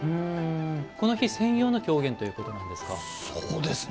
この日、専用の狂言ということなんですね。